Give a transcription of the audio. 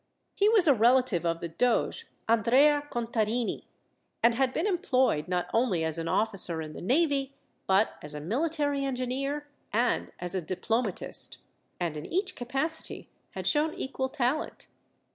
He was a relative of the Doge Andrea Contarini, and had been employed not only as an officer in the navy, but as a military engineer and as a diplomatist, and in each capacity had shown equal talent.